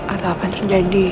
atau hal hal terjadi